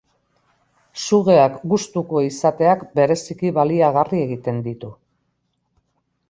Sugeak gustuko izateak bereziki baliagarri egiten ditu.